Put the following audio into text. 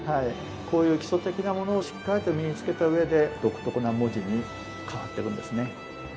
こういう基礎的なものをしっかりと身につけた上で独特な文字に変わっていくんですね。